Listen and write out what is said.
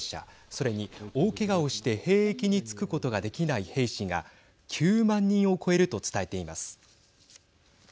それに大けがをして兵役に就くことができない兵士が９万人を超えると伝えています。